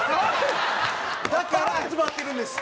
だから集まってるんです。